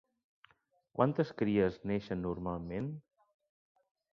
Quantes cries neixen normalment?